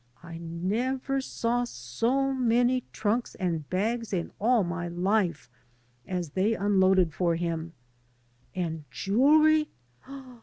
I never saw so many trunks and bags in all my life as they unloaded for him. And jewelry!